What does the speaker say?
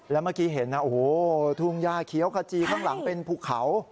แล้วเมื่อกี้เห็นนะโอ้โหทุ่งยาเขียวขจีข้างหลังเป็นภูเขา